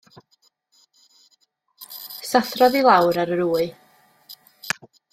Sathrodd i lawr ar yr wy.